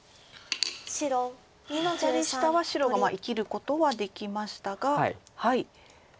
左下は白が生きることはできましたが。